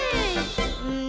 うん。